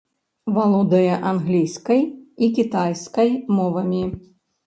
Валодае англійскай і кітайскай мовамі.